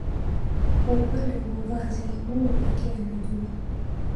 Kwa upande wa mavazi Mungu pekee anajua